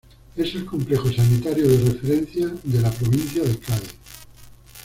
Es el complejo sanitario de referencia de la provincia de Cádiz.